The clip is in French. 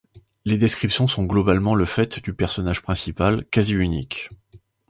Les descriptions sont globalement le fait du personnage principal, quasi unique.